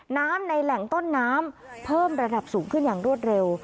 น้ำในแหล่งต้นน้ำเพิ่มระดับสูงขึ้นอย่างรวดเร็ว